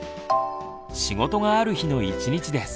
仕事がある日の１日です。